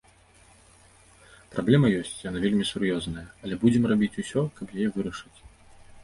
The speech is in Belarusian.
Праблема ёсць, яна вельмі сур'ёзная, але будзем рабіць усё, каб яе вырашыць.